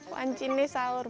mbak wajahnya sahur